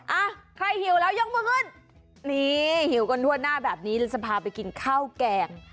อ่ะใครหิวแล้วยกมือขึ้นนี่หิวกันทั่วหน้าแบบนี้เราจะพาไปกินข้าวแกง